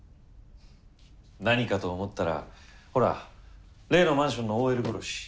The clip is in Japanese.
何かと思ったらほら例のマンションのＯＬ殺し。